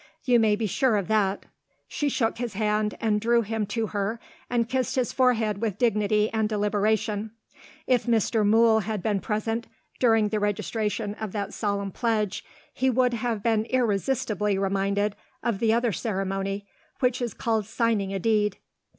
You may be sure of that." She took his hand, and drew him to her, and kissed his forehead with dignity and deliberation. If Mr. Mool had been present, during the registration of that solemn pledge, he would have been irresistibly reminded of the other ceremony, which is called signing a deed.